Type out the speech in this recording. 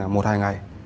một hai ngày